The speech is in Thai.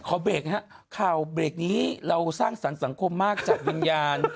เบรกนะฮะข่าวเบรกนี้เราสร้างสรรค์สังคมมากจากวิญญาณ